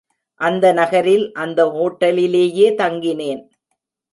அந்த நகரில், அந்த ஹோட்டலிலேயே தங்கினேன்..